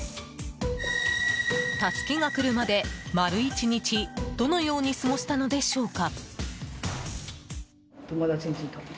助けが来るまで丸１日どのように過ごしたのでしょうか。